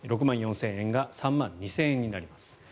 ６万４０００円が３万２０００円になります。